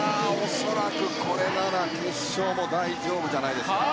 恐らく、これなら決勝も大丈夫じゃないですかね。